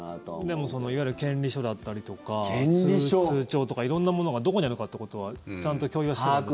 でも、いわゆる権利書だったりとか通帳とか色んなものがどこにあるかってことはちゃんと共有はしてるんですか？